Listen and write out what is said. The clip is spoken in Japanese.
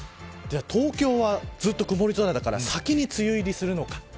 東京は、ずっと曇り空だから先に梅雨入りするのか。